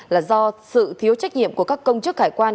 là do sự thiếu trách nhiệm của các công chức hải quan